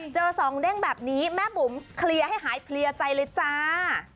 เจอสองเด้งแบบนี้แม่บุ๋มเคลียร์ให้หายเพลียใจเลยจ้า